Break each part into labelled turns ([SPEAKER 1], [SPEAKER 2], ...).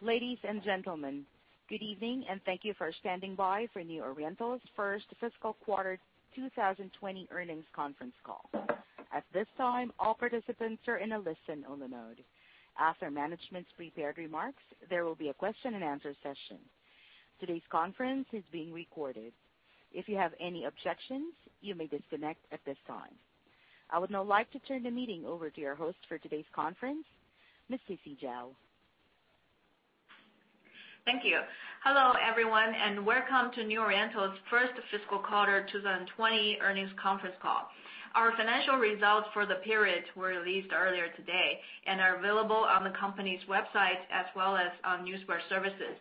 [SPEAKER 1] Ladies and gentlemen, good evening, and thank you for standing by for New Oriental's first fiscal quarter 2020 earnings conference call. At this time, all participants are in a listen-only mode. After management's prepared remarks, there will be a question and answer session. Today's conference is being recorded. If you have any objections, you may disconnect at this time. I would now like to turn the meeting over to your host for today's conference, Ms. Sisi Zhao.
[SPEAKER 2] Thank you. Hello, everyone, welcome to New Oriental's first fiscal quarter 2020 earnings conference call. Our financial results for the period were released earlier today and are available on the company's website as well as on newscast services.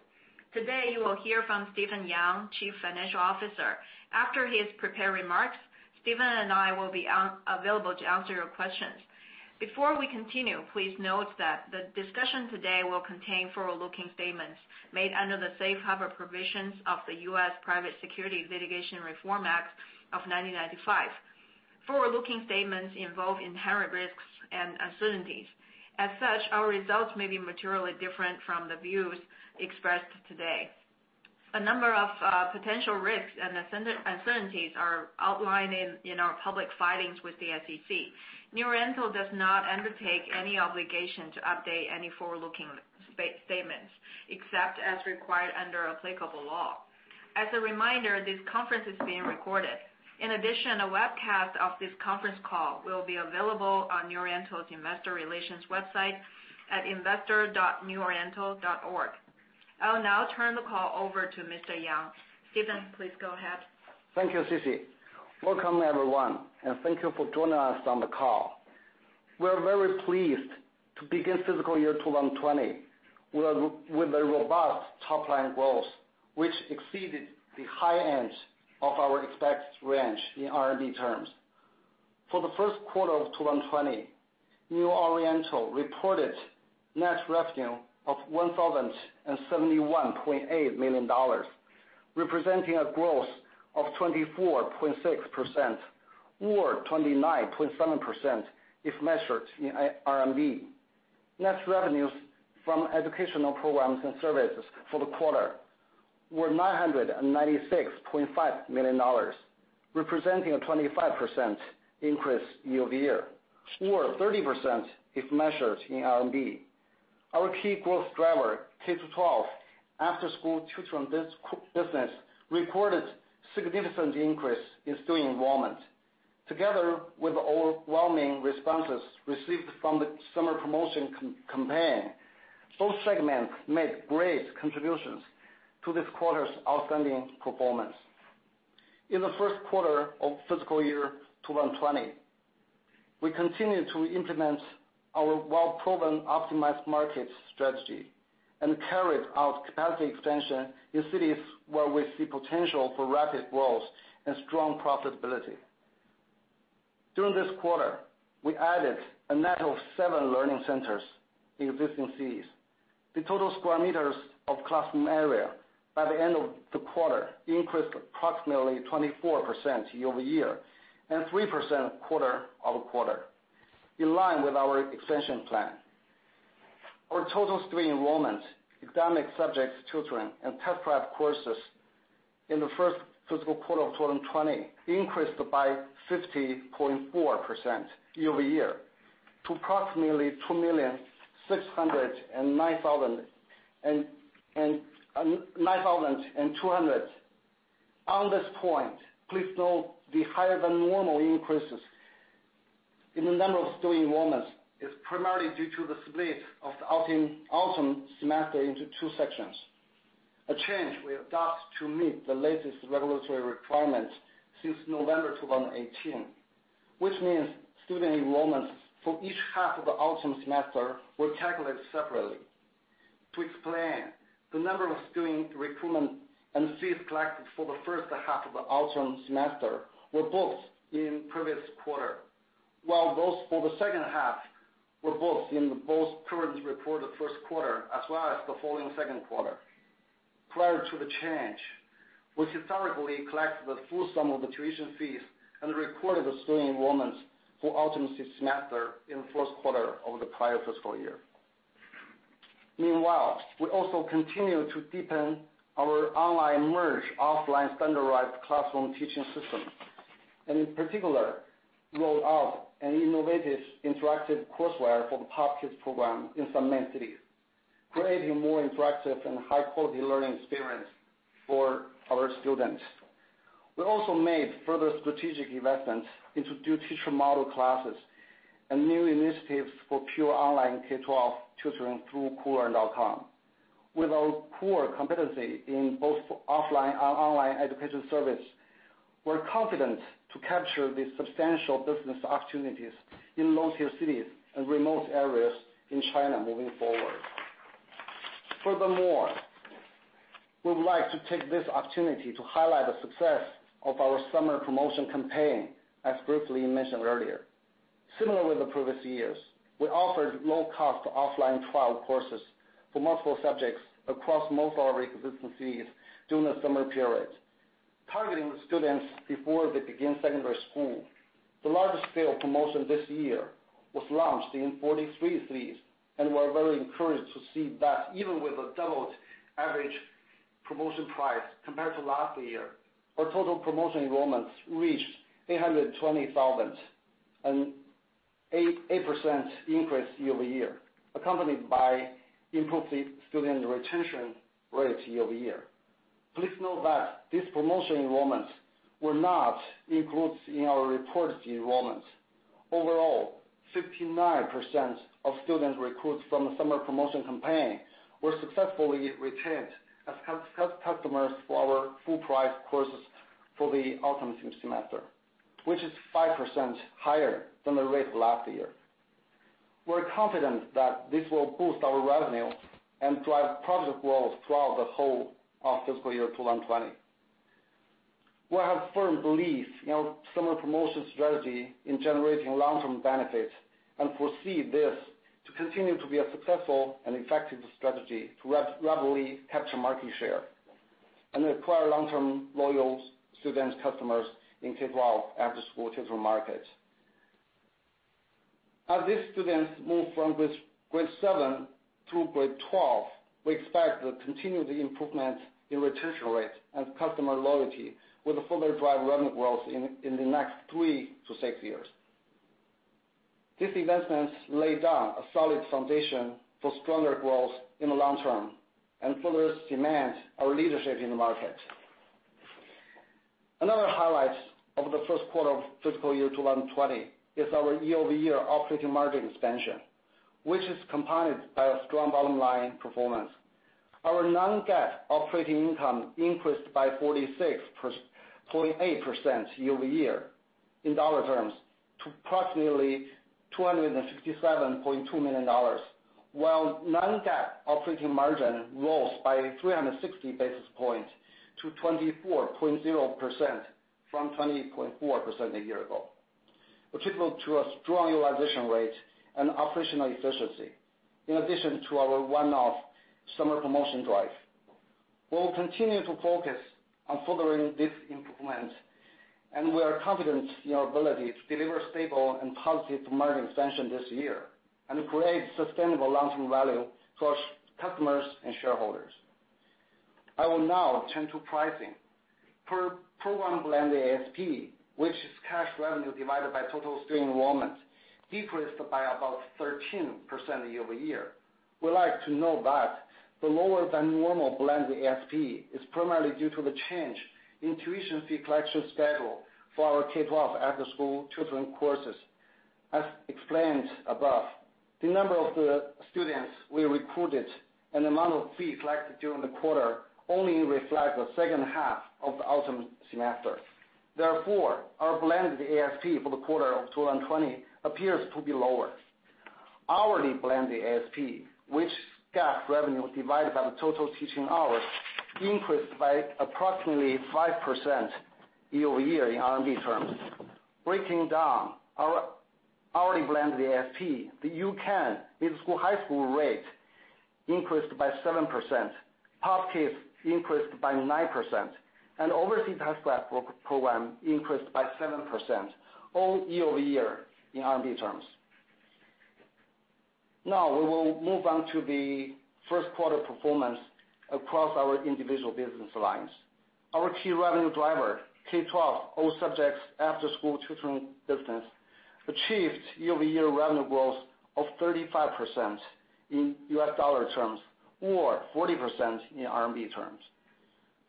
[SPEAKER 2] Today, you will hear from Stephen Yang, Chief Financial Officer. After his prepared remarks, Stephen and I will be available to answer your questions. Before we continue, please note that the discussion today will contain forward-looking statements made under the Safe Harbor Provisions of the U.S. Private Securities Litigation Reform Act of 1995. Forward-looking statements involve inherent risks and uncertainties. As such, our results may be materially different from the views expressed today. A number of potential risks and uncertainties are outlined in our public filings with the SEC. New Oriental does not undertake any obligation to update any forward-looking statements, except as required under applicable law. As a reminder, this conference is being recorded. In addition, a webcast of this conference call will be available on New Oriental's investor relations website at investor.neworiental.org. I'll now turn the call over to Mr. Yang. Stephen, please go ahead.
[SPEAKER 3] Thank you, Sisi. Welcome, everyone, and thank you for joining us on the call. We're very pleased to begin fiscal year 2020 with a robust top-line growth, which exceeded the high end of our expected range in RMB terms. For the first quarter of 2020, New Oriental reported net revenue of $1,071.8 million, representing a growth of 24.6% or 29.7% if measured in RMB. Net revenues from educational programs and services for the quarter were $996.5 million, representing a 25% increase year-over-year, or 30% if measured in RMB. Our key growth driver, K to 12 after-school tutoring business, recorded significant increase in student enrollment. Together with overwhelming responses received from the summer promotion campaign, both segments made great contributions to this quarter's outstanding performance. In the first quarter of fiscal year 2020, we continued to implement our well-proven optimized market strategy and carried out capacity expansion in cities where we see potential for rapid growth and strong profitability. During this quarter, we added a net of seven learning centers in existing cities. The total square meters of classroom area by the end of the quarter increased approximately 24% year-over-year and 3% quarter-over-quarter, in line with our expansion plan. Our total student enrollment, academic subjects tutoring, and test prep courses in the first fiscal quarter of 2020 increased by 50.4% year-over-year to approximately 2,609,200. On this point, please note the higher than normal increases in the number of student enrollments is primarily due to the split of the autumn semester into two sections. A change we adopt to meet the latest regulatory requirements since November 2018. Which means student enrollments for each half of the autumn semester were calculated separately. To explain, the number of student recruitment and fees collected for the first half of the autumn semester were both in previous quarter, while those for the second half were both in current reported first quarter as well as the following second quarter. Prior to the change, we historically collected the full sum of the tuition fees and recorded the student enrollments for autumn semester in the first quarter of the prior fiscal year. Meanwhile, we also continue to deepen our online merge offline standardized classroom teaching system. In particular, rolled out an innovative interactive courseware for the POP Kids program in some main cities, creating more interactive and high-quality learning experience for our students. We also made further strategic investments into dual teacher model classes and new initiatives for pure online K12 tutoring through koolearn.com. With our core competency in both offline and online education service, we're confident to capture the substantial business opportunities in low-tier cities and remote areas in China moving forward. We would like to take this opportunity to highlight the success of our summer promotion campaign, as briefly mentioned earlier. Similar with the previous years, we offered low-cost offline trial courses for multiple subjects across most of our existing cities during the summer period. Targeting the students before they begin secondary school. The largest scale promotion this year was launched in 43 cities. We're very encouraged to see that even with a doubled average promotion price compared to last year, our total promotion enrollments reached 820,000, an 8% increase year-over-year, accompanied by improved student retention rate year-over-year. Please note that these promotion enrollments were not included in our reported enrollment. Overall, 59% of student recruits from the summer promotion campaign were successfully retained as customers for our full price courses for the autumn semester, which is 5% higher than the rate last year. We're confident that this will boost our revenue and drive positive growth throughout the whole of fiscal year 2020. We have firm belief in our summer promotion strategy in generating long-term benefits, and foresee this to continue to be a successful and effective strategy to rapidly capture market share, and acquire long-term loyal student customers in K12 after-school tutoring market. As these students move from grade 7 through grade 12, we expect the continued improvement in retention rate and customer loyalty will further drive revenue growth in the next three to six years. These investments lay down a solid foundation for stronger growth in the long term, and further cement our leadership in the market. Another highlight of the first quarter of FY 2020 is our year-over-year operating margin expansion, which is compounded by a strong bottom line performance. Our non-GAAP operating income increased by 48% year-over-year in dollar terms to approximately $267.2 million, while non-GAAP operating margin rose by 360 basis points to 24.0% from 20.4% a year ago. Attributable to a strong utilization rate and operational efficiency, in addition to our one-off summer promotion drive. We will continue to focus on furthering this improvement, and we are confident in our ability to deliver stable and positive margin expansion this year, and create sustainable long-term value for customers and shareholders. I will now turn to pricing. Per program blended ASP, which is cash revenue divided by total student enrollment, decreased by about 13% year-over-year. We like to note that the lower than normal blended ASP is primarily due to the change in tuition fee collection schedule for our K-12 after-school tutoring courses. As explained above, the number of the students we recruited and the amount of fees collected during the quarter only reflect the second half of the autumn semester. Therefore, our blended ASP for the quarter of 2020 appears to be lower. Hourly blended ASP, which is GAAP revenue divided by the total teaching hours, increased by approximately 5% year-over-year in RMB terms. Breaking down our hourly blended ASP, the U-Can middle school, high school rate increased by 7%, POP Kids increased by 9%, and overseas test-prep program increased by 7%, all year-over-year in RMB terms. Now we will move on to the first quarter performance across our individual business lines. Our key revenue driver, K-12 all subjects after-school tutoring business, achieved year-over-year revenue growth of 35% in U.S. dollar terms or 40% in RMB terms.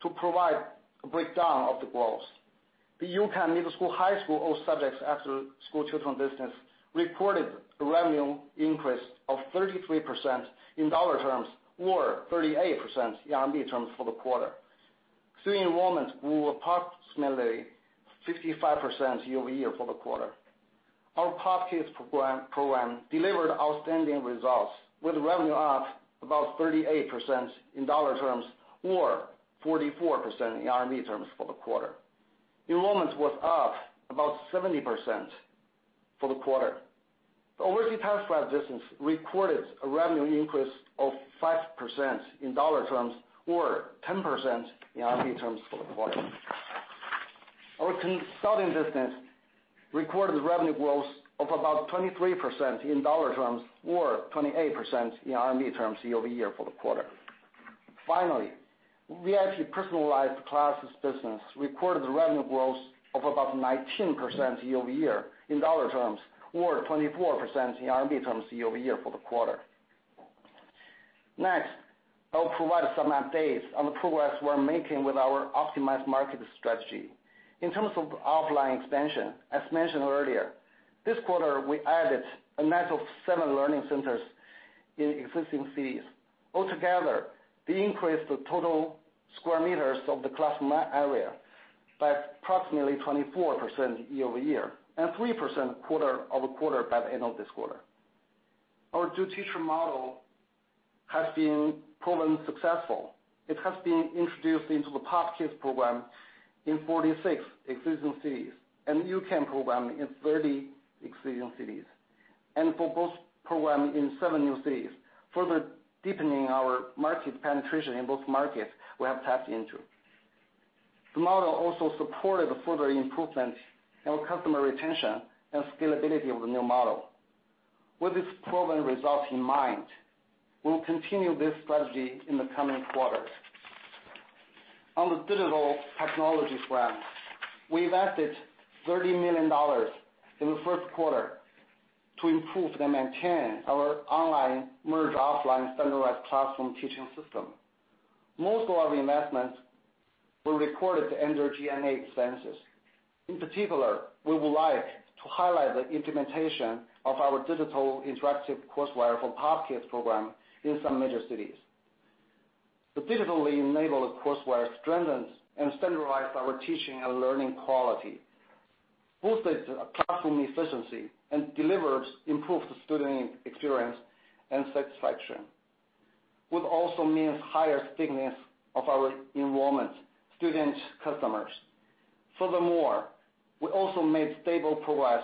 [SPEAKER 3] To provide a breakdown of the growth, the U-Can middle school, high school all subjects after-school tutoring business reported a revenue increase of 33% in U.S. dollar terms or 38% in RMB terms for the quarter. Student enrollment grew approximately 55% year-over-year for the quarter. Our POP Kids program delivered outstanding results with revenue up about 38% in U.S. dollar terms or 44% in RMB terms for the quarter. Enrollment was up about 70% for the quarter. The overseas test-prep business reported a revenue increase of 5% in U.S. dollar terms or 10% in RMB terms for the quarter. Our consulting business recorded revenue growth of about 23% in USD terms or 28% in RMB terms year-over-year for the quarter. Finally, VIP personalized classes business recorded a revenue growth of about 19% year-over-year in USD terms, or 24% in RMB terms year-over-year for the quarter. Next, I'll provide some updates on the progress we're making with our optimized market strategy. In terms of offline expansion, as mentioned earlier, this quarter we added a net of seven learning centers in existing cities. Altogether, we increased the total sq m of the class area by approximately 24% year-over-year and 3% quarter-over-quarter by the end of this quarter. Our Dual Teacher model has been proven successful. It has been introduced into the POP Kids program in 46 existing cities and U-Can program in 30 existing cities. For both programs in seven new cities, further deepening our market penetration in both markets we have tapped into. The model also supported further improvement in customer retention and scalability of the new model. With this proven result in mind, we'll continue this strategy in the coming quarters. On the digital technology front, we invested $30 million in the first quarter to improve and maintain our online merged offline standardized classroom teaching system. Most of our investments were recorded under G&A expenses. In particular, we would like to highlight the implementation of our digital interactive courseware for Toddlers program in some major cities. The digitally-enabled courseware strengthens and standardizes our teaching and learning quality, boosts classroom efficiency, and delivers improved student experience and satisfaction, which also means higher stickiness of our enrollment student customers. Furthermore, we also made stable progress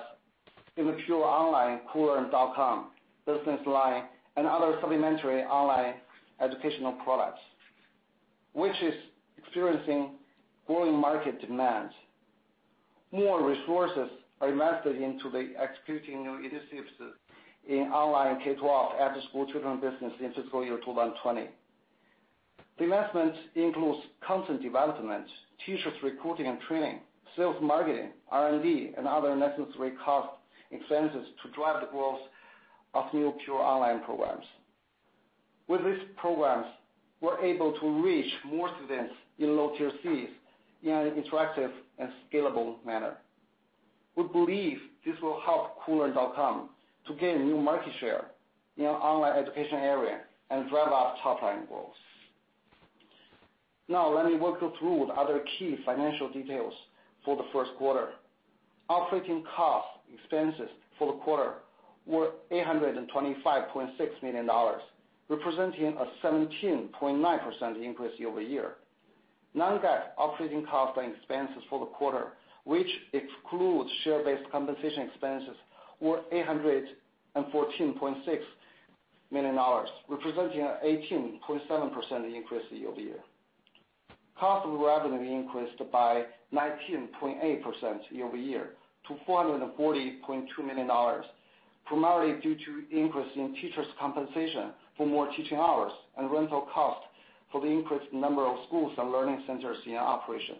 [SPEAKER 3] in the pure online koolearn.com business line and other supplementary online educational products, which is experiencing growing market demand. More resources are invested into the executing new initiatives in online K-12 after-school tutoring business in fiscal year 2020. The investment includes content development, teachers recruiting and training, sales and marketing, R&D, and other necessary cost expenses to drive the growth of new pure online programs. With these programs, we're able to reach more students in low-tier cities in an interactive and scalable manner. We believe this will help koolearn.com to gain new market share in the online education area and drive up top-line growth. Now let me walk you through the other key financial details for the first quarter. Operating cost expenses for the quarter were $825.6 million, representing a 17.9% increase year-over-year. Non-GAAP operating costs and expenses for the quarter, which excludes share-based compensation expenses, were $814.6 million, representing an 18.7% increase year-over-year. Cost of revenue increased by 19.8% year-over-year to $440.2 million, primarily due to the increase in teachers' compensation for more teaching hours and rental costs for the increased number of schools and learning centers in operation.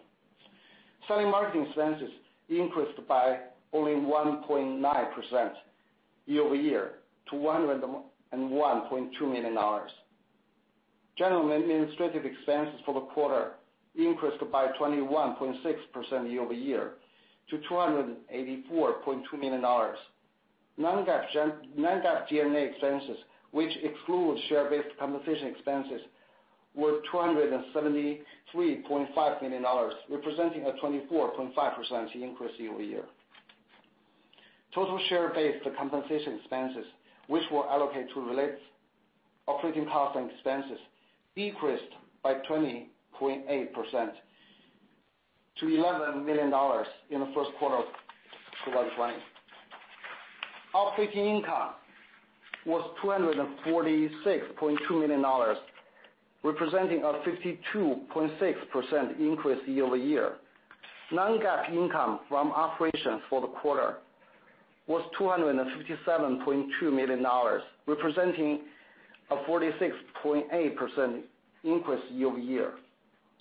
[SPEAKER 3] Selling and marketing expenses increased by only 1.9% year-over-year to $101.2 million. General and administrative expenses for the quarter increased by 21.6% year-over-year to $284.2 million. Non-GAAP G&A expenses, which excludes share-based compensation expenses, were $273.5 million, representing a 24.5% increase year-over-year. Total share-based compensation expenses, which were allocated to related operating costs and expenses, decreased by 20.8% to $11 million in the first quarter of 2020. Operating income was $246.2 million, representing a 52.6% increase year-over-year. Non-GAAP income from operations for the quarter was $257.2 million, representing a 46.8% increase year-over-year.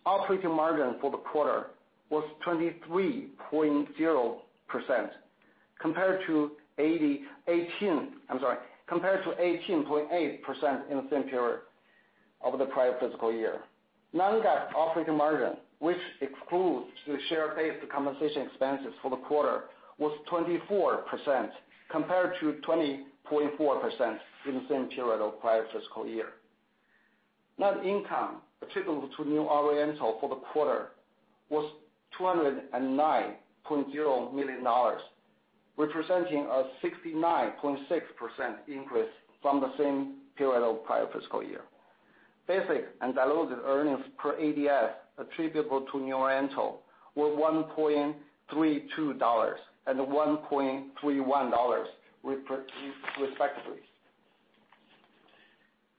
[SPEAKER 3] Operating margin for the quarter was 23.0% compared to 18.8% in the same period of the prior fiscal year. Non-GAAP operating margin, which excludes the share-based compensation expenses for the quarter, was 24% compared to 20.4% in the same period of prior fiscal year.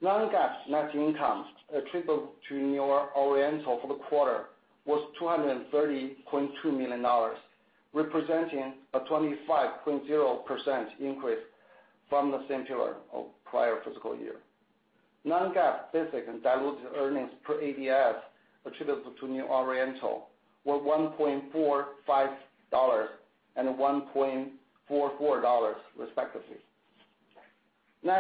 [SPEAKER 3] Net income attributable to New Oriental for the quarter was $209.0 million, representing a 69.6% increase from the same period of the prior fiscal year. Basic and diluted earnings per ADS attributable to New Oriental were $1.32 and $1.31, respectively. Non-GAAP net income attributable to New Oriental for the quarter was $230.2 million, representing a 25.0% increase from the same period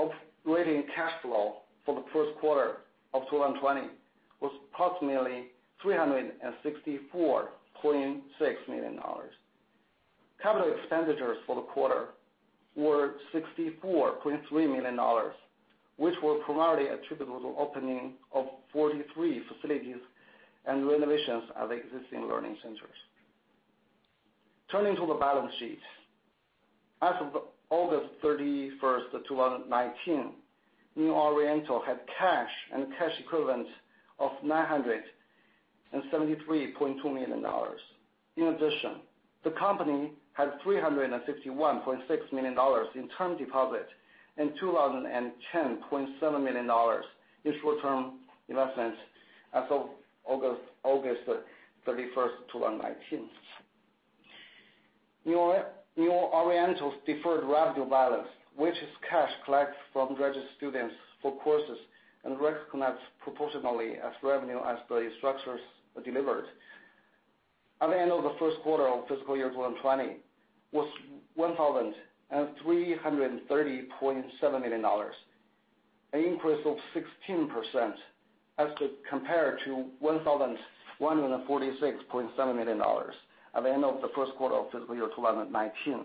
[SPEAKER 3] of the prior fiscal year. Non-GAAP basic and diluted earnings per ADS attributable to New Oriental were $1.45 and $1.44, respectively. Net operating cash flow for the first quarter of 2020 was approximately $364.6 million. Capital expenditures for the quarter were $64.3 million, which were primarily attributable to opening of 43 facilities and renovations of existing learning centers. Turning to the balance sheet. As of August 31, 2019, New Oriental had cash and cash equivalents of $973.2 million. In addition, the company had $351.6 million in term deposits and $210.7 million in short-term investments as of August 31st, 2019. New Oriental's deferred revenue balance, which is cash collected from registered students for courses and recognized proportionally as revenue as the instructors are delivered. At the end of the first quarter of fiscal year 2020, was $1,330.7 million, an increase of 16% as compared to $1,146.7 million at the end of the first quarter of fiscal year 2019.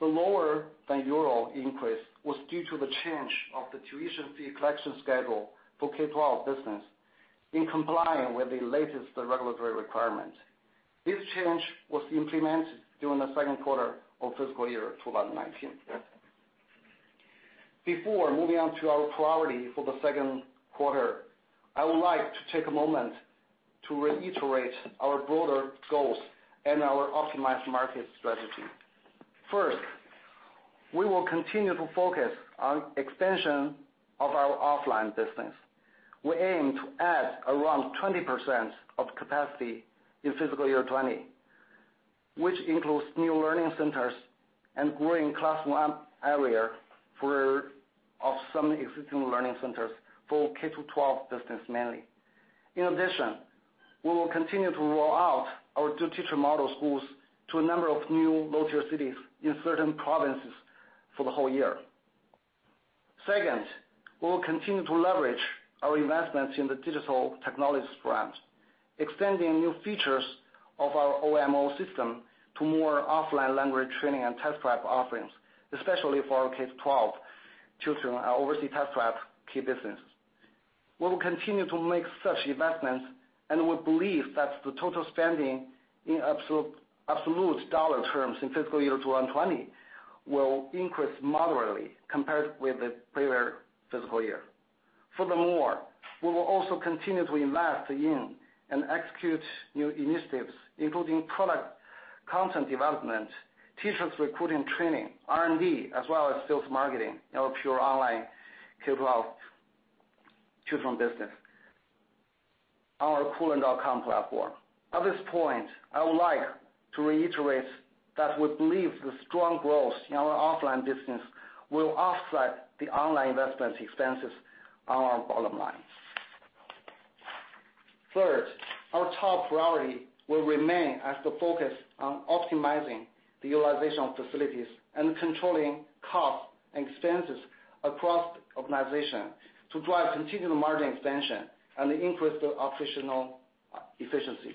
[SPEAKER 3] The lower-than-usual increase was due to the change of the tuition fee collection schedule for K-12 business in complying with the latest regulatory requirement. This change was implemented during the second quarter of fiscal year 2019. Before moving on to our priority for the second quarter, I would like to take a moment to reiterate our broader goals and our optimized market strategy. We will continue to focus on expansion of our offline business. We aim to add around 20% of capacity in fiscal year 2020, which includes new learning centers and growing classroom area for some existing learning centers for K-12 business mainly. We will continue to roll out our dual teacher model schools to a number of new low-tier cities in certain provinces for the whole year. We will continue to leverage our investments in the digital technology front, extending new features of our OMO system to more offline language training and test prep offerings, especially for our K-12 children, our overseas test prep key business. We will continue to make such investments, and we believe that the total spending in absolute dollar terms in fiscal year 2020 will increase moderately compared with the prior fiscal year. We will also continue to invest in and execute new initiatives, including product content development, teachers recruiting training, R&D, as well as sales marketing in our pure online K-12 children business on our koolearn.com platform. At this point, I would like to reiterate that we believe the strong growth in our offline business will offset the online investment expenses on our bottom line. Third, our top priority will remain as the focus on optimizing the utilization of facilities and controlling costs and expenses across the organization to drive continual margin expansion and increase the operational efficiency.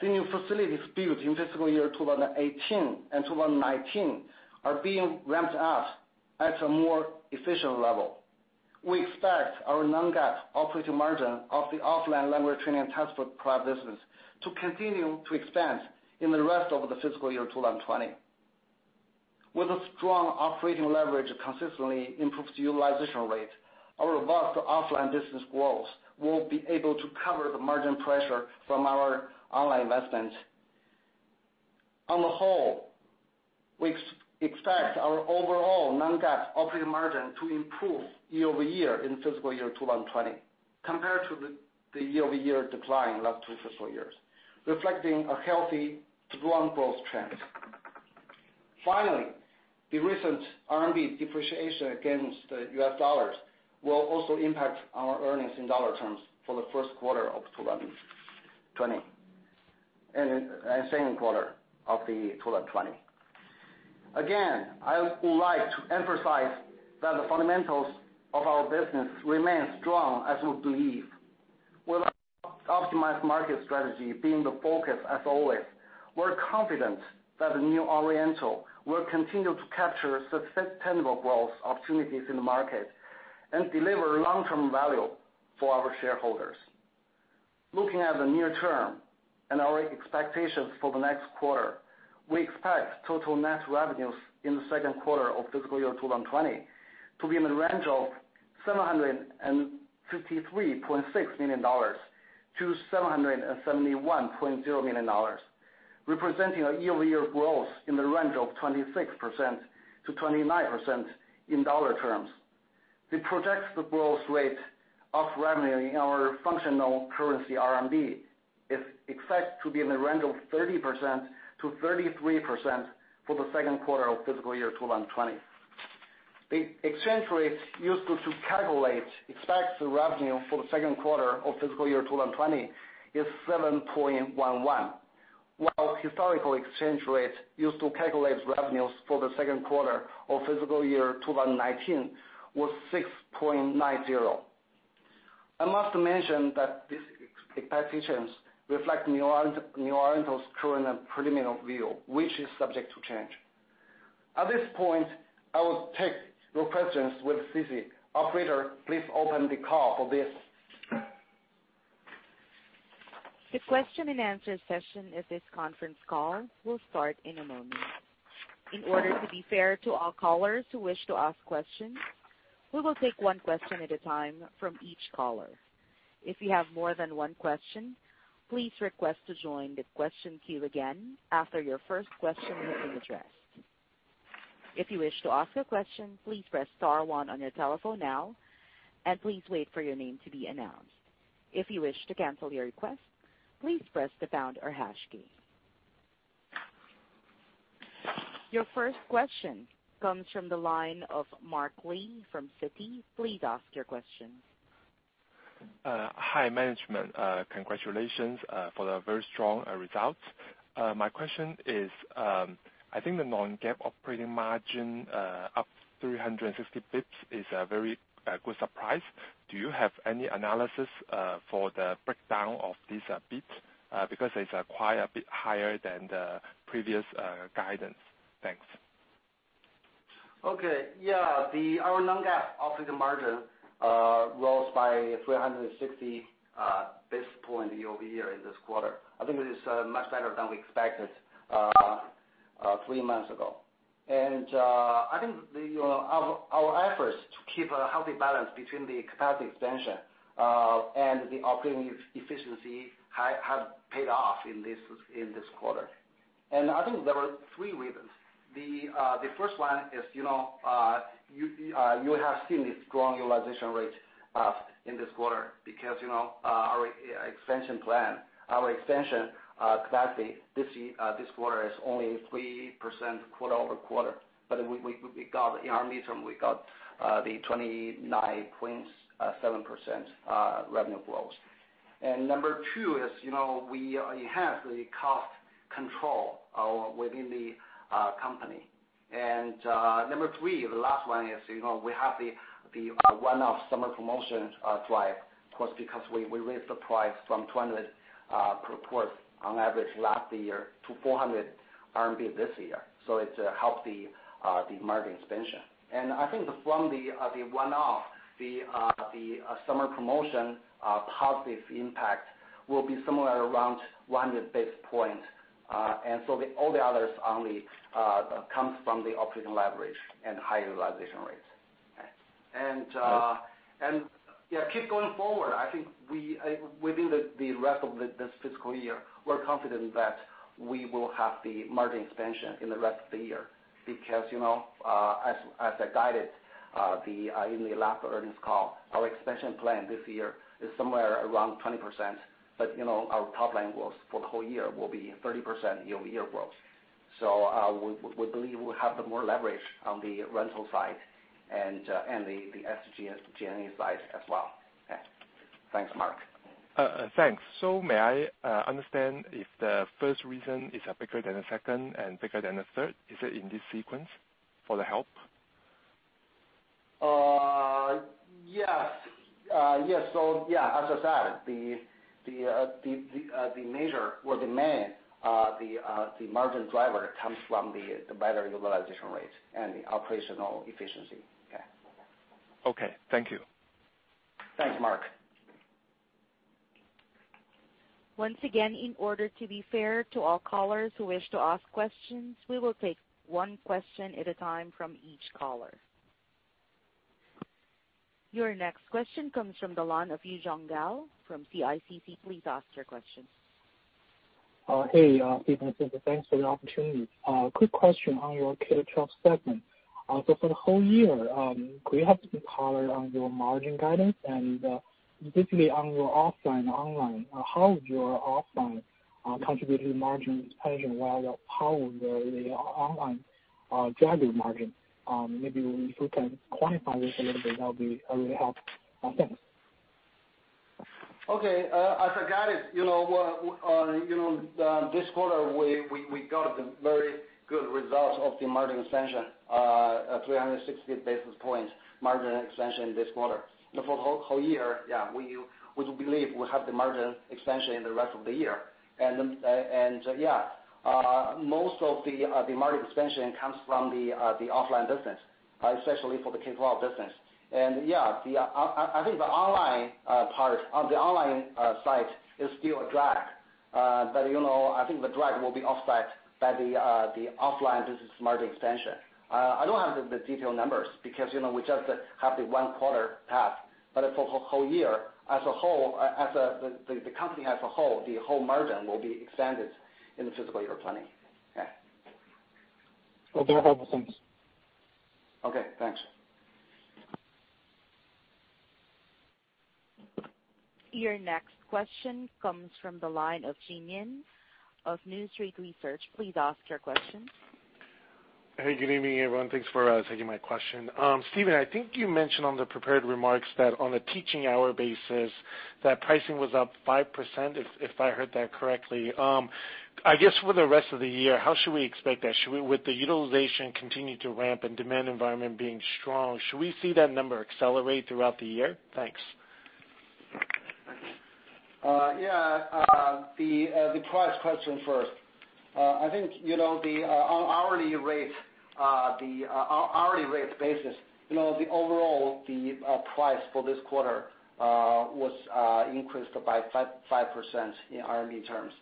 [SPEAKER 3] The new facilities built in fiscal year 2018 and 2019 are being ramped up at a more efficient level. We expect our non-GAAP operating margin of the offline language training test prep business to continue to expand in the rest of the fiscal year 2020. With a strong operating leverage that consistently improves the utilization rate, our robust offline business growth will be able to cover the margin pressure from our online investment. On the whole, we expect our overall non-GAAP operating margin to improve year-over-year in fiscal year 2020 compared to the year-over-year decline in last two fiscal years, reflecting a healthy to strong growth trend. Finally, the recent RMB depreciation against the U.S. dollars will also impact our earnings in dollar terms for the first quarter of 2020 and second quarter of the 2020. Again, I would like to emphasize that the fundamentals of our business remain strong as we believe with our optimized market strategy being the focus as always. We're confident that the New Oriental will continue to capture sustainable growth opportunities in the market and deliver long-term value for our shareholders. Looking at the near term and our expectations for the next quarter, we expect total net revenues in the second quarter of fiscal year 2020 to be in the range of $753.6 million-$771.0 million, representing a year-over-year growth in the range of 26%-29% in dollar terms. It projects the growth rate of revenue in our functional currency RMB is expected to be in the range of 30%-33% for the second quarter of fiscal year 2020. The exchange rate used to calculate expected revenue for the second quarter of fiscal year 2020 is 7.11, while historical exchange rate used to calculate revenues for the second quarter of fiscal year 2019 was 6.90. I must mention that these expectations reflect New Oriental's current and preliminary view, which is subject to change. At this point, I will take your questions with Sisi. Operator, please open the call for this.
[SPEAKER 1] The question-and-answer session of this conference call will start in a moment. In order to be fair to all callers who wish to ask questions, we will take one question at a time from each caller. If you have more than one question, please request to join the question queue again after your first question has been addressed. If you wish to ask a question, please press star one on your telephone now, and please wait for your name to be announced. If you wish to cancel your request, please press the pound or hash key. Your first question comes from the line of Mark Li from Citi. Please ask your question.
[SPEAKER 4] Hi, management. Congratulations for the very strong results. My question is, I think the non-GAAP operating margin up 360 basis points is a very good surprise. Do you have any analysis for the breakdown of this basis point? It's quite a bit higher than the previous guidance. Thanks.
[SPEAKER 3] Okay. Yeah. Our non-GAAP operating margin rose by 360 basis point year-over-year in this quarter. I think it is much better than we expected three months ago. I think our efforts to keep a healthy balance between the capacity expansion and the operating efficiency have paid off in this quarter. I think there are three reasons. The first one is you have seen the strong utilization rate up in this quarter because our expansion plan, our expansion capacity this quarter is only 3% quarter-over-quarter, but in our midterm, we got the 29.7% revenue growth. Number two is we enhance the cost control within the company. Number three, the last one is we have the one-off summer promotion drive. Of course, because we raised the price from 200 per course on average last year to 400 RMB this year. It helped the margin expansion. I think from the one-off, the summer promotion positive impact will be similar around 100 basis points. All the others only comes from the operating leverage and high utilization rates. Okay. Yeah, keep going forward, I think within the rest of this fiscal year, we're confident that we will have the margin expansion in the rest of the year because as I guided in the last earnings call, our expansion plan this year is somewhere around 20%, but our top-line growth for the whole year will be 30% year-over-year growth. We believe we'll have the more leverage on the rental side and the SG&A side as well. Okay. Thanks, Mark.
[SPEAKER 4] Thanks. May I understand if the first reason is bigger than the second and bigger than the third? Is it in this sequence for the help?
[SPEAKER 3] Yes. Yeah, as I said, the major or the main margin driver comes from the better utilization rates and the operational efficiency. Okay.
[SPEAKER 4] Okay. Thank you.
[SPEAKER 3] Thanks, Mark.
[SPEAKER 1] Once again, in order to be fair to all callers who wish to ask questions, we will take one question at a time from each caller. Your next question comes from the line of Yuzhong Gao from CICC. Please ask your question.
[SPEAKER 5] Hey, Stephen. Thanks for the opportunity. Quick question on your K-12 segment. For the whole year, could you help me color on your margin guidance and basically on your offline, online, how your offline contributed margin expansion, while how the online drive your margin? Maybe if you can quantify this a little bit, that would really help. Thanks.
[SPEAKER 3] As I guided, this quarter, we got the very good results of the margin expansion, 360 basis points margin expansion this quarter. For the whole year, we believe we'll have the margin expansion in the rest of the year. Most of the margin expansion comes from the offline business, especially for the K-12 business. I think the online part or the online side is still a drag. I think the drag will be offset by the offline business margin expansion. I don't have the detailed numbers because we just have the one quarter path, but for the whole year as a whole, as the company as a whole, the whole margin will be expanded in the fiscal year 2020.
[SPEAKER 5] Okay. That helps. Thanks.
[SPEAKER 3] Okay. Thanks.
[SPEAKER 1] Your next question comes from the line of Jin Yoon of New Street Research. Please ask your question.
[SPEAKER 6] Hey. Good evening, everyone. Thanks for taking my question. Stephen, I think you mentioned on the prepared remarks that on a teaching hour basis, that pricing was up 5%, if I heard that correctly. I guess, for the rest of the year, how should we expect that? With the utilization continuing to ramp and demand environment being strong, should we see that number accelerate throughout the year? Thanks.
[SPEAKER 3] Yeah. The price question first. I think, on hourly rate basis, the overall price for this quarter was increased by 5% in CNY terms.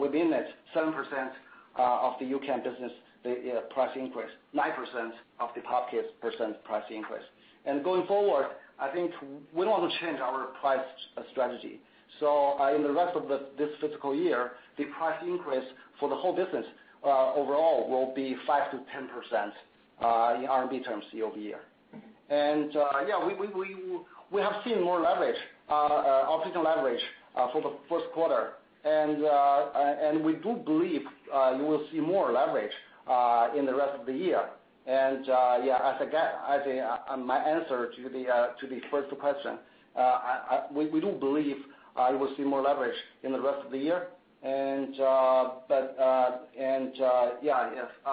[SPEAKER 3] Within that, 7% of the U-Can business, the price increased 9% of POP Kids price increased. Going forward, I think we don't want to change our price strategy. In the rest of this fiscal year, the price increase for the whole business overall will be 5%-10% in CNY terms year-over-year. Yeah, we have seen more leverage, operational leverage for the first quarter and we do believe we will see more leverage in the rest of the year. Yeah, as my answer to the first question, we do believe it will see more leverage in the rest of the year. Yeah,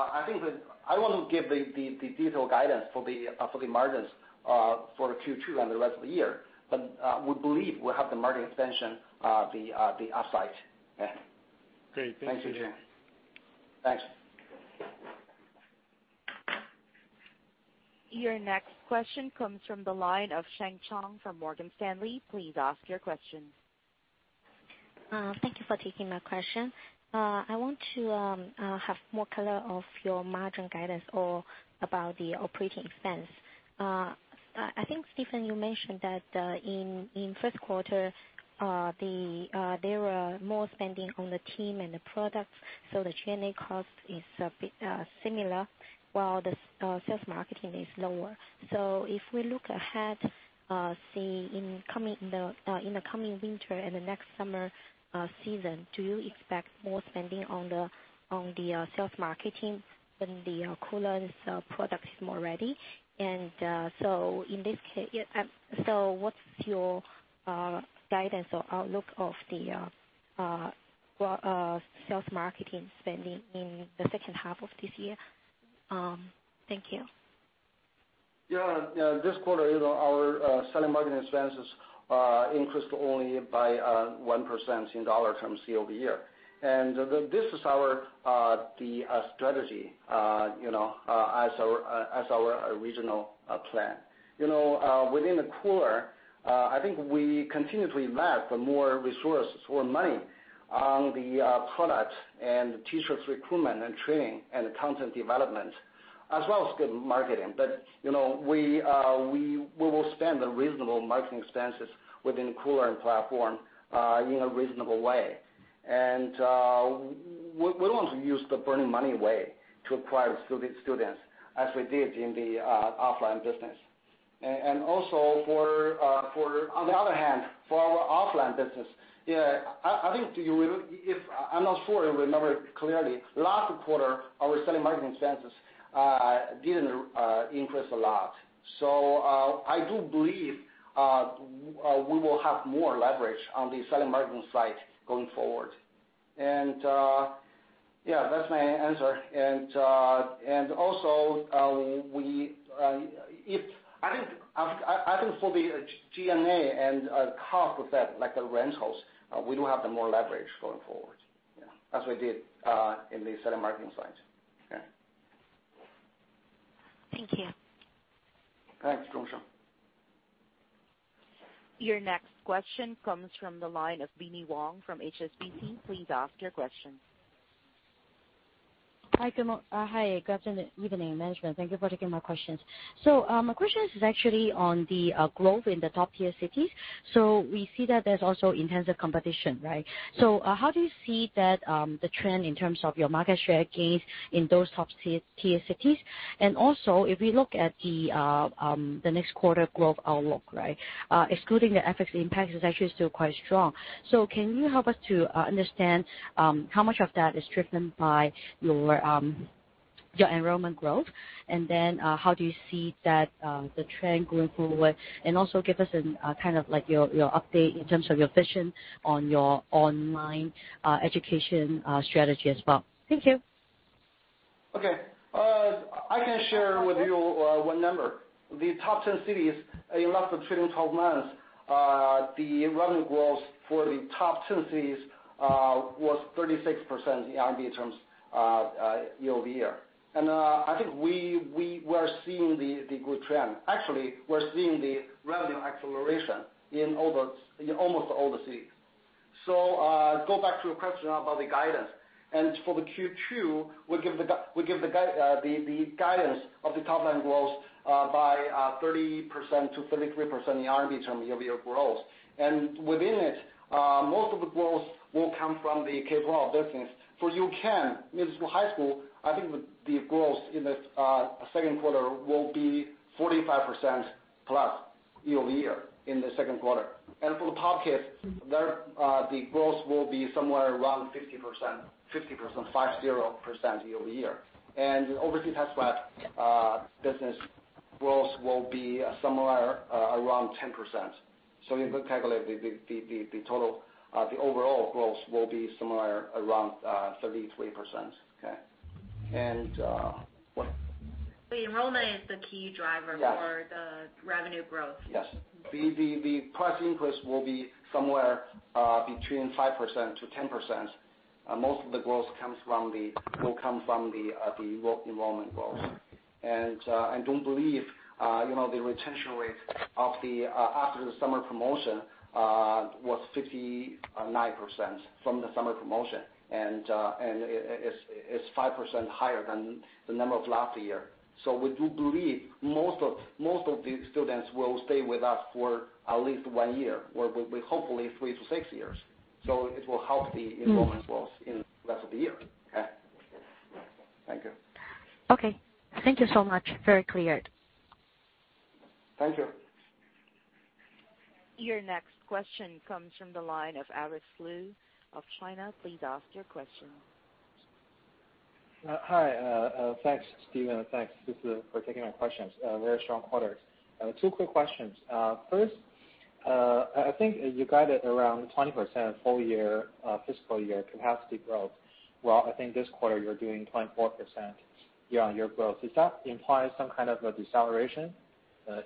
[SPEAKER 3] I think that I want to give the digital guidance for the margins for the Q2 and the rest of the year. We believe we have the margin expansion the upside. Yeah.
[SPEAKER 6] Great. Thank you.
[SPEAKER 3] Thanks.
[SPEAKER 1] Your next question comes from the line of Sheng Zhong from Morgan Stanley. Please ask your question.
[SPEAKER 7] Thank you for taking my question. I want to have more color of your margin guidance or about the operating expense. I think, Stephen, you mentioned that in first quarter, there were more spending on the team and the product, so the G&A cost is similar while the sales marketing is lower. If we look ahead, say, in the coming winter and the next summer season, do you expect more spending on the sales marketing when the Koolearn products is more ready? In this case, what's your guidance or outlook of the sales marketing spending in the second half of this year? Thank you.
[SPEAKER 3] Yeah. This quarter, our selling marketing expenses increased only by 1% in USD terms year-over-year. This is our strategy, as our original plan. Within the quarter, I think we continuously map for more resources, more money on the product and the teachers recruitment and training and content development, as well as good marketing. We will spend the reasonable marketing expenses within the koolearn.com platform in a reasonable way. We don't want to use the burning money way to acquire students as we did in the offline business. Also, on the other hand, for our offline business, I think if I'm not sure, remember clearly, last quarter, our selling marketing expenses didn't increase a lot. I do believe we will have more leverage on the selling marketing side going forward. Yeah, that's my answer. Also, I think for the G&A and cost of that, like the rentals, we do have the more leverage going forward, yeah, as we did in the selling marketing side. Yeah.
[SPEAKER 7] Thank you.
[SPEAKER 3] Thanks, Sheng Zhong
[SPEAKER 1] Your next question comes from the line of Binnie Wong from HSBC. Please ask your question.
[SPEAKER 8] Hi, good evening, management. Thank you for taking my questions. My question is actually on the growth in the top-tier cities. We see that there's also intensive competition, right? If we look at the next quarter growth outlook, right? Excluding the FX impact is actually still quite strong. Can you help us to understand how much of that is driven by your enrollment growth, and then how do you see that the trend going forward? Give us kind of your update in terms of your vision on your online education strategy as well. Thank you.
[SPEAKER 3] Okay. I can share with you one number. The top 10 cities in last 12 months, the revenue growth for the top 10 cities was 36% in RMB terms year-over-year. I think we are seeing the good trend. Actually, we're seeing the revenue acceleration in almost all the cities. Go back to your question about the guidance. For the Q2, we give the guidance of the top line growth by 30%-33% in RMB term year-over-year growth. Within it, most of the growth will come from the K-12 business. For U-Can, middle school, high school, I think the growth in the second quarter will be 45% plus year-over-year in the second quarter. For POP Kids, the growth will be somewhere around 50% year-over-year. Overseas Test prep business growth will be somewhere around 10%. You can calculate the total, the overall growth will be somewhere around 33%. Okay. What?
[SPEAKER 2] The enrollment is the key driver.
[SPEAKER 3] Yes
[SPEAKER 2] for the revenue growth.
[SPEAKER 3] Yes. The price increase will be somewhere between 5%-10%. Most of the growth will come from the enrollment growth. I do believe the retention rate after the summer promotion was 59% from the summer promotion, and it's 5% higher than the number of last year. We do believe most of the students will stay with us for at least one year, or hopefully three to six years, so it will help the enrollment growth in rest of the year. Okay. Thank you.
[SPEAKER 2] Okay. Thank you so much. Very clear.
[SPEAKER 3] Thank you.
[SPEAKER 1] Your next question comes from the line of Alex Liu of China. Please ask your question.
[SPEAKER 9] Hi. Thanks, Stephen. Thanks, Sisi, for taking my questions. Very strong quarters. Two quick questions. First, I think you guided around 20% full year, fiscal year capacity growth, while I think this quarter you're doing 24% year-over-year growth. Does that imply some kind of a deceleration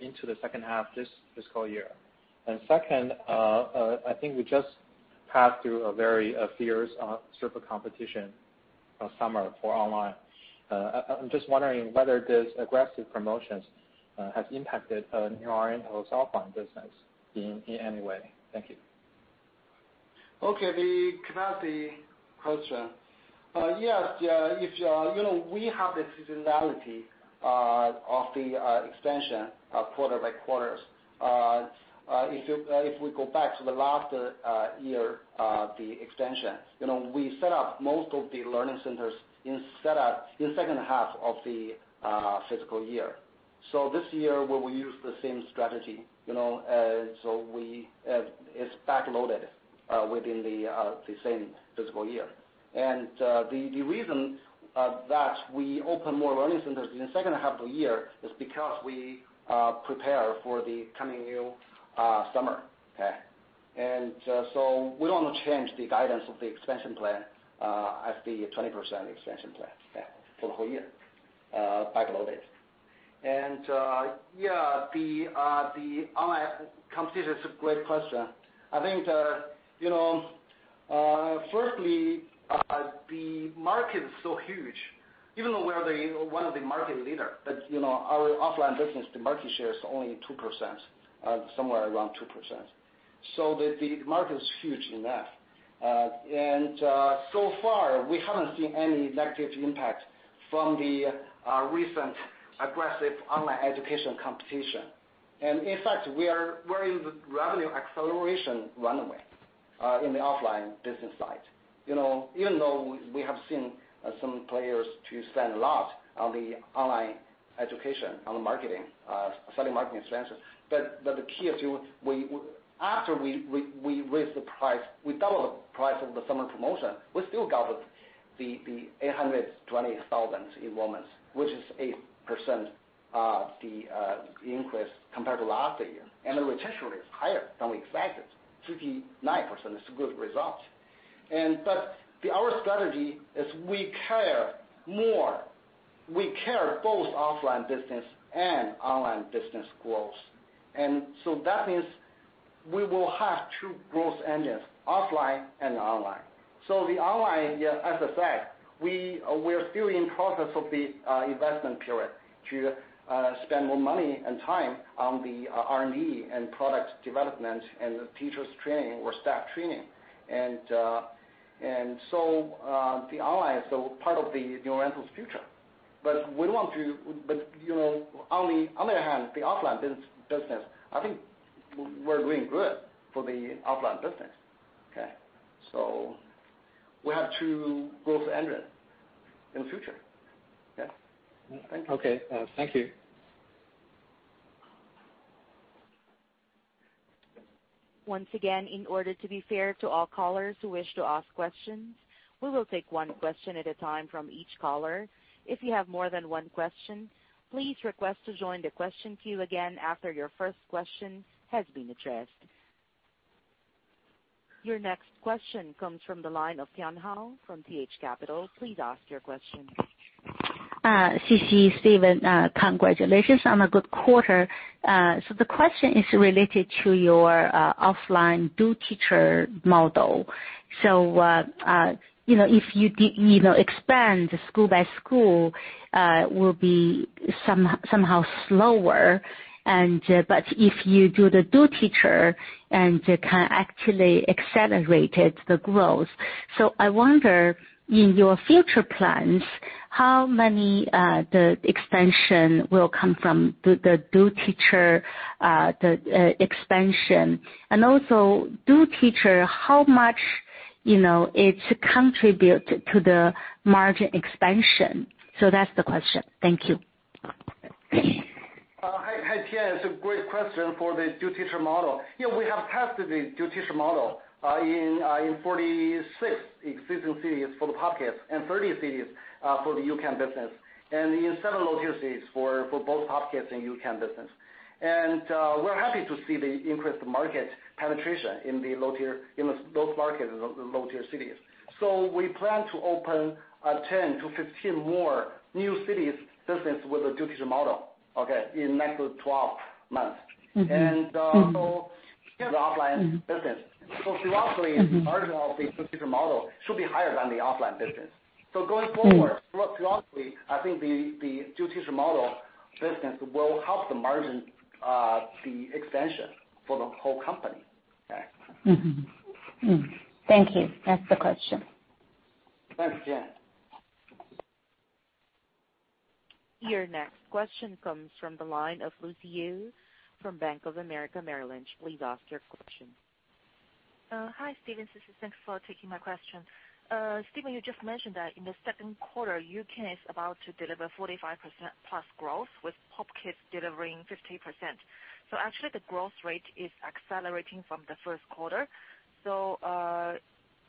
[SPEAKER 9] into the second half this fiscal year? Second, I think we just passed through a very fierce circle competition summer for online. I'm just wondering whether these aggressive promotions have impacted New Oriental's offline business in any way. Thank you.
[SPEAKER 3] Okay. The capacity question. Yes, we have the seasonality of the expansion quarter by quarters. If we go back to the last year, the expansion, we set up most of the learning centers in second half of the fiscal year. This year, we will use the same strategy, so it's back-loaded within the same fiscal year. The reason that we open more learning centers in the second half of the year is because we prepare for the coming new summer. Okay. We don't change the guidance of the expansion plan as the 20% expansion plan, yeah, for the whole year, back-loaded. Yeah, the online competition is a great question. I think, firstly, the market is so huge. Even though we are one of the market leader, our offline business, the market share is only 2%, somewhere around 2%. The market is huge enough. So far, we haven't seen any negative impact from the recent aggressive online education competition. In fact, we are in the revenue acceleration runway in the offline business side. Even though we have seen some players to spend a lot on the online education, on the marketing, selling marketing expenses, but the key is after we raised the price, we double the price of the summer promotion, we still gathered the 820,000 enrollments, which is 8% the increase compared to last year. The retention rate is higher than we expected. 59% is a good result. Our strategy is we care both offline business and online business growth. So that means we will have two growth engines, offline and online. The online, as I said, we are still in process of the investment period to spend more money and time on the R&D and product development and the teachers training or staff training. The online is still part of New Oriental's future. On the other hand, the offline business, I think we're doing good for the offline business. We have two growth engines in the future. Yeah. Thank you.
[SPEAKER 9] Okay. Thank you.
[SPEAKER 1] Once again, in order to be fair to all callers who wish to ask questions, we will take one question at a time from each caller. If you have more than one question, please request to join the question queue again after your first question has been addressed. Your next question comes from the line of Tian Hou from TH Capital. Please ask your question.
[SPEAKER 10] Hi, Sisi, Stephen, congratulations on a good quarter. The question is related to your offline dual teacher model. If you expand the school by school, will be somehow slower, but if you do the Dual Teacher, and can actually accelerated the growth. I wonder, in your future plans, how many the expansion will come from the Dual Teacher, the expansion, and also Dual Teacher, how much it contribute to the margin expansion? That's the question. Thank you.
[SPEAKER 3] Hi, Tian. It's a great question for the Dual Teacher model. We have tested the Dual Teacher model in 46 existing cities for the POP Kids and 30 cities for the U-Can business, and in several low tier cities for both POP Kids and U-Can business. We're happy to see the increased market penetration in those markets in low tier cities. We plan to open 10 to 15 more new cities business with a Dual Teacher model, okay, in next 12 months. The offline business. Philosophically, the margin of the tuition model should be higher than the offline business. Going forward, philosophically, I think the tuition model business will help the margin, the expansion for the whole company. Okay?
[SPEAKER 10] Thank you. That's the question.
[SPEAKER 3] Thanks, Tian.
[SPEAKER 1] Your next question comes from the line of Lucy Yu from Bank of America Merrill Lynch. Please ask your question.
[SPEAKER 11] Hi, Stephen. This is Jen. Thanks for taking my question. Stephen, you just mentioned that in the second quarter, U-Can is about to deliver 45%-plus growth, with POP Kids delivering 50%. Actually, the growth rate is accelerating from the first quarter.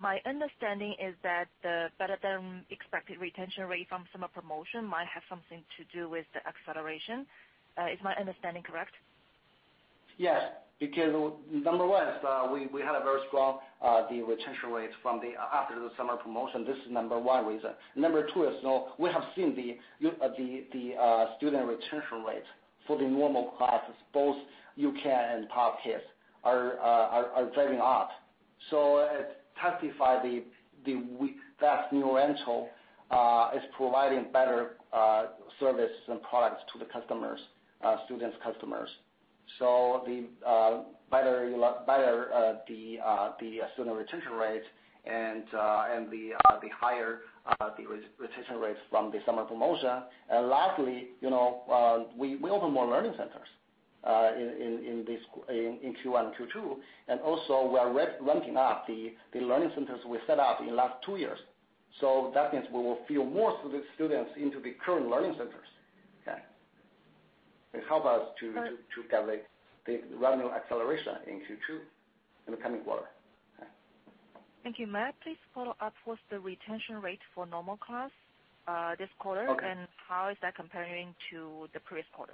[SPEAKER 11] My understanding is that the better-than-expected retention rate from summer promotion might have something to do with the acceleration. Is my understanding correct?
[SPEAKER 3] Because number 1, we had a very strong retention rate after the summer promotion. This is number 1 reason. Number 2 is we have seen the student retention rate for the normal classes, both U-Can and POP Kids, are driving up. It testifies that New Oriental is providing better service and products to the students customers. The better the student retention rate and the higher the retention rates from the summer promotion. Lastly, we open more learning centers in Q1 and Q2. Also we are ramping up the learning centers we set up in last two years. That means we will fill more students into the current learning centers. It helps us to get the revenue acceleration in Q2, in the coming quarter.
[SPEAKER 11] Thank you. May I please follow up what's the retention rate for normal class this quarter?
[SPEAKER 3] Okay
[SPEAKER 11] How is that comparing to the previous quarter?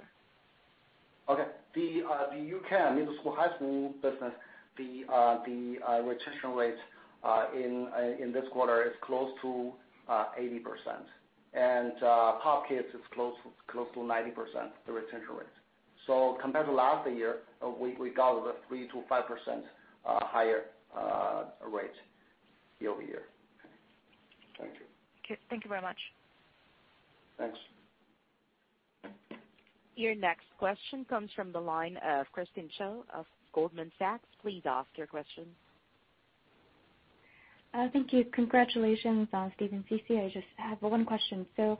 [SPEAKER 3] Okay. The U-Can, middle school, high school business, the retention rate in this quarter is close to 80%. POP Kids is close to 90%, the retention rate. Compared to last year, we got a 3%-5% higher rate year-over-year. Okay. Thank you.
[SPEAKER 11] Okay. Thank you very much.
[SPEAKER 3] Thanks.
[SPEAKER 1] Your next question comes from the line of Christine Cho of Goldman Sachs. Please ask your question.
[SPEAKER 12] Thank you. Congratulations, Steve and Sisi.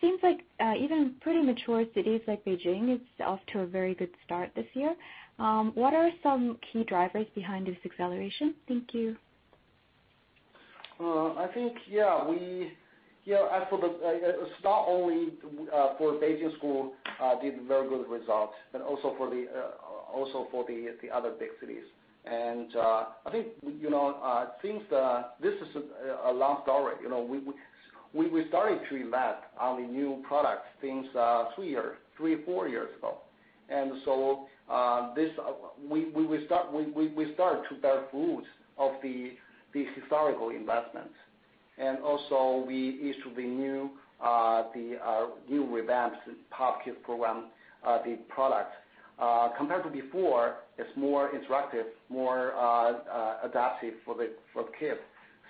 [SPEAKER 12] Seems like even pretty mature cities like Beijing, it's off to a very good start this year. What are some key drivers behind this acceleration? Thank you.
[SPEAKER 3] I think, yeah, it's not only for Beijing school did very good result, but also for the other big cities. I think since this is a long story. We started to invest on the new products since three or four years ago. We start to bear fruit of these historical investments. Also, we issued the new revamped POP Kids program, the product. Compared to before, it's more interactive, more adaptive for the kids.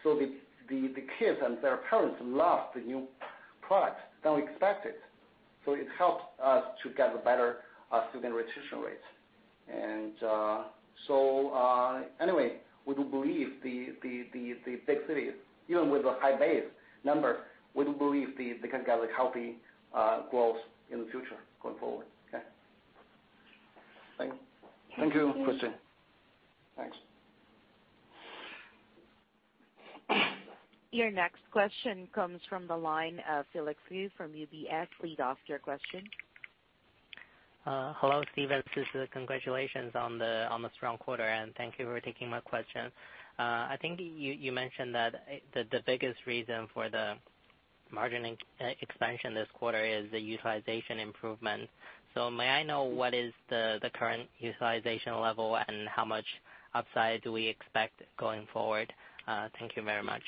[SPEAKER 3] The kids and their parents love the new product than we expected. It helped us to get a better student retention rate. Anyway, we do believe the big cities, even with a high base number, we do believe they can get a healthy growth in the future going forward. Okay? Thank you, Christine.
[SPEAKER 12] Thank you.
[SPEAKER 3] Thanks.
[SPEAKER 1] Your next question comes from the line of Felix Liu from UBS. Please ask your question.
[SPEAKER 13] Hello, Steve and Sisi. Congratulations on the strong quarter, and thank you for taking my question. I think you mentioned that the biggest reason for the margin expansion this quarter is the utilization improvement. May I know what is the current utilization level, and how much upside do we expect going forward? Thank you very much.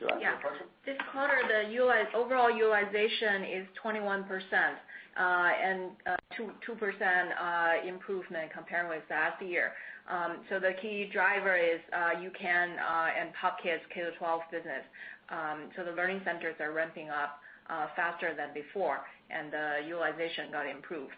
[SPEAKER 3] Yu, do you want to take the question?
[SPEAKER 2] Yeah. This quarter, the overall utilization is 21%, and 2% improvement compared with last year. The key driver is U-Can and POP Kids K-12 business. The learning centers are ramping up faster than before, and the utilization got improved.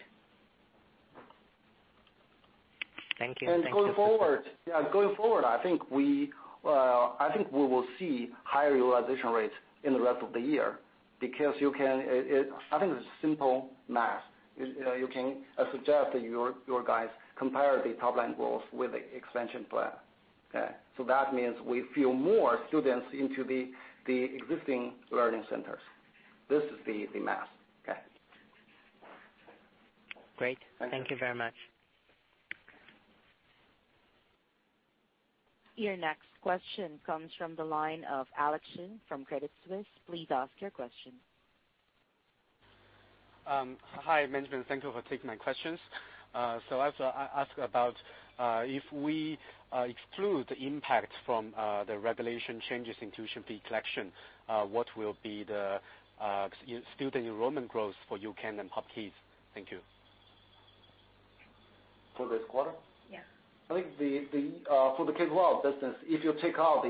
[SPEAKER 13] Thank you.
[SPEAKER 3] Going forward, I think we will see higher utilization rates in the rest of the year because, I think it's simple math. I suggest that your guys compare the top-line growth with the expansion plan. Okay? That means we fill more students into the existing learning centers. This is the math. Okay?
[SPEAKER 13] Great.
[SPEAKER 3] Thank you.
[SPEAKER 13] Thank you very much.
[SPEAKER 1] Your next question comes from the line of Alex Xie from Credit Suisse. Please ask your question.
[SPEAKER 14] Hi, management. Thank you for taking my questions. I ask about, if we exclude the impact from the regulation changes in tuition fee collection, what will be the student enrollment growth for U-Can and POP Kids? Thank you.
[SPEAKER 3] For this quarter?
[SPEAKER 2] Yeah.
[SPEAKER 3] I think for the K-12 business, if you take out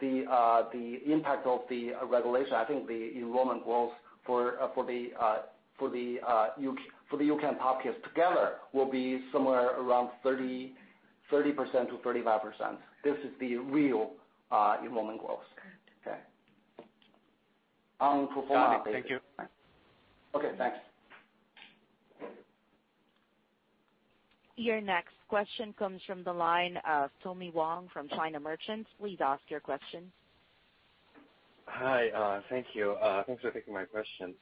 [SPEAKER 3] the impact of the regulation, I think the enrollment growth for the U-Can and POP Kids together will be somewhere around 30%-35%. This is the real enrollment growth.
[SPEAKER 2] Correct.
[SPEAKER 3] Okay. On a pro forma basis.
[SPEAKER 14] Thank you.
[SPEAKER 3] Okay, thanks.
[SPEAKER 1] Your next question comes from the line of Tommy Wong from China Merchants. Please ask your question.
[SPEAKER 15] Hi. Thank you. Thanks for taking my question.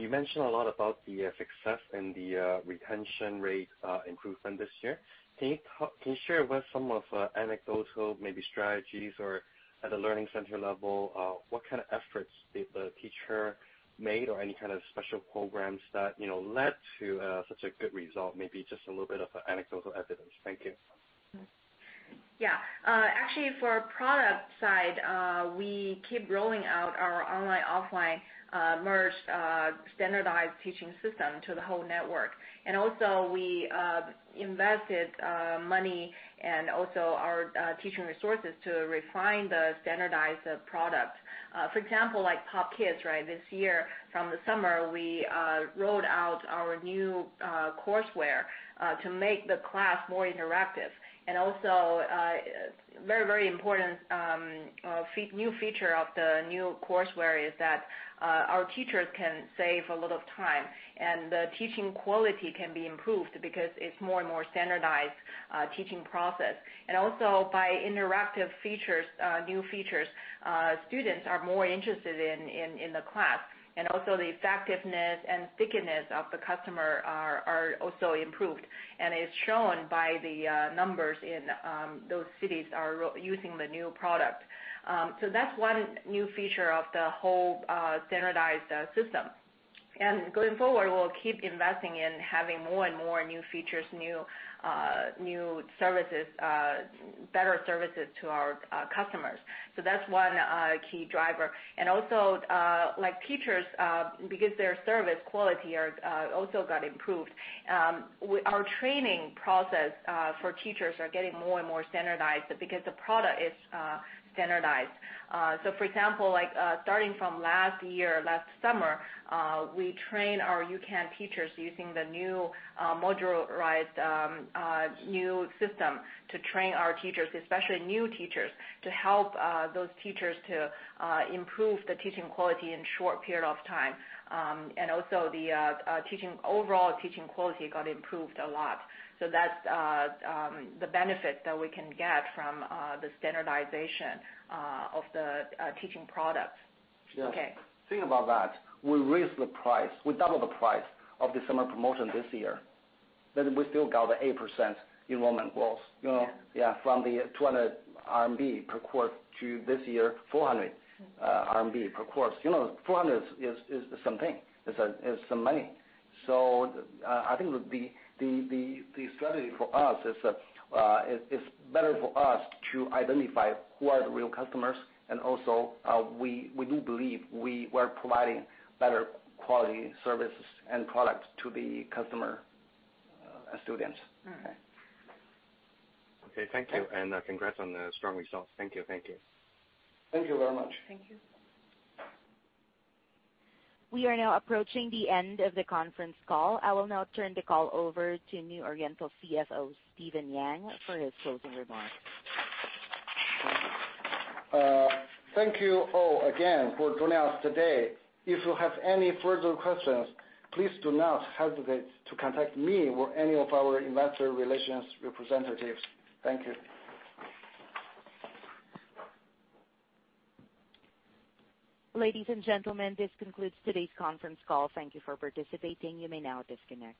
[SPEAKER 15] You mentioned a lot about the success and the retention rate improvement this year. Can you share with us some of anecdotal, maybe strategies or at a learning center level, what kind of efforts did the teacher made or any kind of special programs that led to such a good result? Maybe just a little bit of anecdotal evidence. Thank you.
[SPEAKER 2] Yeah. Actually, for our product side, we keep rolling out our online, offline merged standardized teaching system to the whole network. Also, we invested money and also our teaching resources to refine the standardized product. For example, like POP Kids, this year from the summer, we rolled out our new courseware to make the class more interactive. Also, very important, new feature of the new courseware is that our teachers can save a lot of time, and the teaching quality can be improved because it's more and more standardized teaching process. Also, by interactive new features, students are more interested in the class. Also, the effectiveness and stickiness of the customer are also improved. It's shown by the numbers in those cities are using the new product. That's one new feature of the whole standardized system. Going forward, we'll keep investing in having more and more new features, new services, better services to our customers. That's one key driver. Also, like teachers, because their service quality also got improved, our training process for teachers are getting more and more standardized because the product is standardized. For example, starting from last year, last summer, we train our U-Can teachers using the new modularized new system to train our teachers, especially new teachers, to help those teachers to improve the teaching quality in short period of time. Also the overall teaching quality got improved a lot. That's the benefit that we can get from the standardization of the teaching product. Okay.
[SPEAKER 3] Yeah. Thing about that, we raised the price. We doubled the price of the summer promotion this year, then we still got 8% enrollment growth.
[SPEAKER 2] Yeah.
[SPEAKER 3] From the 200 RMB per course to this year, 400 RMB per course. 400 is something, is some money. I think the strategy for us is better for us to identify who are the real customers, and also, we do believe we were providing better quality services and products to the customer and students.
[SPEAKER 2] Okay.
[SPEAKER 15] Okay. Thank you. Congrats on the strong results. Thank you.
[SPEAKER 3] Thank you very much.
[SPEAKER 2] Thank you.
[SPEAKER 1] We are now approaching the end of the conference call. I will now turn the call over to New Oriental CFO, Zhihui Yang, for his closing remarks.
[SPEAKER 3] Thank you all again for joining us today. If you have any further questions, please do not hesitate to contact me or any of our investor relations representatives. Thank you.
[SPEAKER 1] Ladies and gentlemen, this concludes today's conference call. Thank You for participating. You may now disconnect.